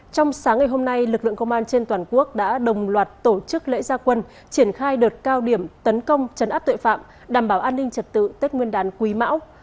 trong sáng ngày hôm nay lực lượng công an trên toàn quốc đã đồng loạt tổ chức lễ gia quân triển khai đợt cao điểm tấn công chấn áp tội phạm đảm bảo an ninh trật tự tết nguyên đán quý mão